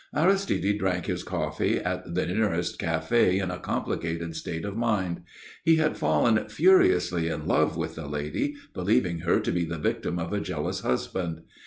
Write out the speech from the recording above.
Aristide drank his coffee at the nearest café in a complicated state of mind. He had fallen furiously in love with the lady, believing her to be the victim of a jealous husband.